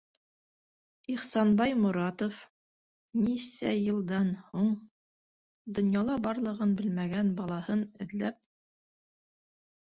Ихсанбай Моратов... нисә йылдан һуң... донъяла барлығын белмәгән балаһын эҙләп...